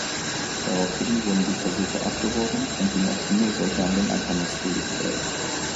Daraufhin wurden die Versuche abgebrochen und die Maschine sollte an den Ankermast gelegt werden.